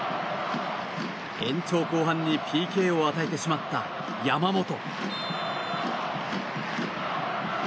延長後半にＰＫを与えてしまった山本。